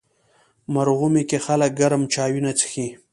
مرغومی کې خلک ګرم چایونه څښي.